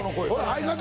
相方